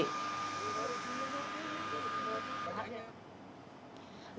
dùng giao khống chế